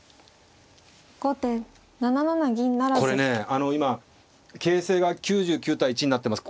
あの今形勢が９９対１になってます。